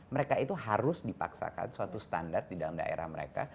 mereka itu harus dipaksakan suatu standar di dalam daerah mereka